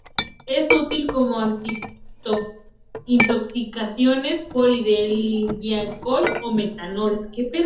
Es útil como antídoto en intoxicaciones por etilenglicol o metanol.